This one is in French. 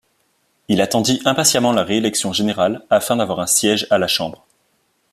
Il attendit impatiemment la réélection générale afin d’avoir un siège à la Chambre.